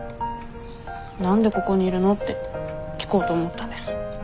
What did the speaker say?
何でここにいるのって聞こうと思ったんです。